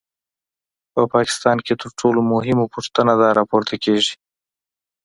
په پاکستان کې تر ټولو مهمه پوښتنه دا راپورته کېږي.